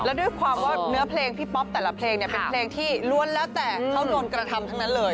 แล้วด้วยความว่าเนื้อเพลงพี่ป๊อปแต่ละเพลงเนี่ยเป็นเพลงที่ล้วนแล้วแต่เขาโดนกระทำทั้งนั้นเลย